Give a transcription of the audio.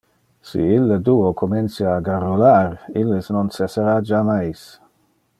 Si ille duo comencia a garrular, illes non cessara jammais.